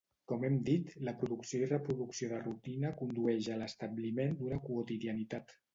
Com hem dit, la producció i reproducció de rutina condueix a l'establiment d'una quotidianitat.